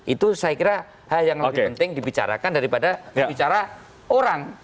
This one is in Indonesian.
itu saya kira hal yang lebih penting dibicarakan daripada bicara orang